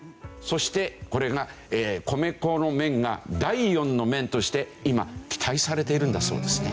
そしてこれが米粉の麺が第４の麺として今期待されているんだそうですね。